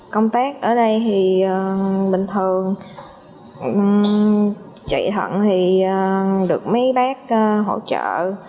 công tác ở đây thì bình thường trị thận thì được mấy bác hỗ trợ